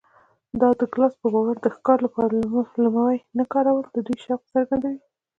د ډاګلاس په باور د ښکار لپاره لومې نه کارول د دوی شوق څرګندوي